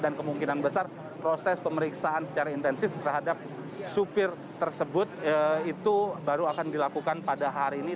dan kemungkinan besar proses pemeriksaan secara intensif terhadap sopir tersebut itu baru akan dilakukan pada hari ini